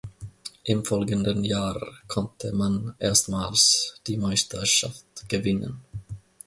Im folgenden Jahr konnte man erstmals die Meisterschaft gewinnen.